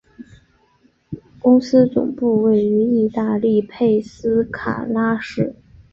公司总部位于意大利佩斯卡拉市。